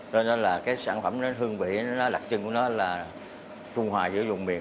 nên đó là cái sản phẩm nó hương vị nó lạc trưng của nó là trung hòa giữa vùng miền